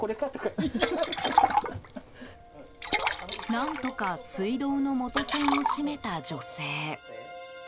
何とか水道の元栓を閉めた女性。